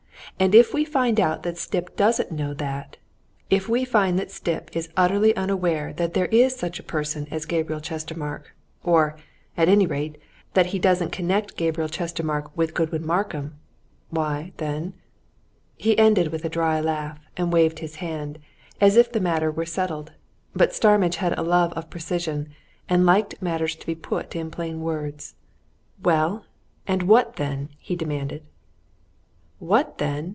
And if we find out that Stipp doesn't know that, if we find that Stipp is utterly unaware that there is such a person as Gabriel Chestermarke, or, at any rate, that he doesn't connect Gabriel Chestermarke with Godwin Markham why, then " He ended with a dry laugh, and waved his hand as if the matter were settled. But Starmidge had a love of precision, and liked matters to be put in plain words. "Well and what then?" he demanded. "What, then?"